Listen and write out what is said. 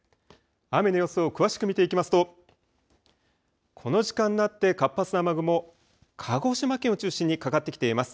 雨の様子を詳しく見ていきますとこの時間になって活発な雨雲、鹿児島県を中心にかかってきています。